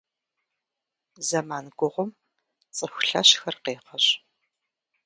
Зэман гугъум цӏыху лъэщхэр къегъэщӏ.